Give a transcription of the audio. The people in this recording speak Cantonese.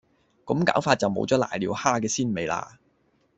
咁搞法就冇咗攋尿蝦嘅鮮味喇